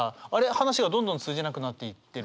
話がどんどん通じなくなっていってる。